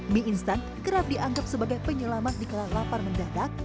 mie instan kerap dianggap sebagai penyelamat dikela lapar mendadak